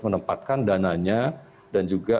menempatkan dananya dan juga